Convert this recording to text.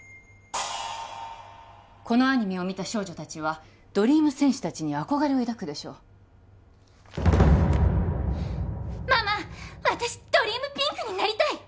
このアニメを見た少女達はドリーム戦士達に憧れを抱くでしょう「ママ私ドリームピンクになりたい」